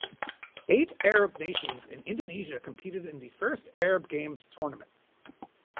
Eight Arab nations and Indonesia competed in the first Arab Games tournament.